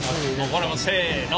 これもうせの。